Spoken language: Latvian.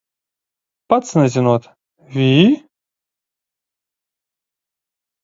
Pats nezinot, vi?